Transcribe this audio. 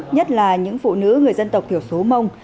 nhất là những phụ nữ người dân tộc thiểu số mông